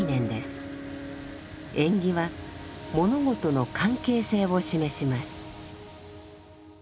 縁起は物事の関係性を示します。